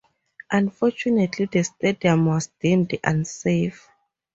Unfortunately the stadium was deemed unsafe.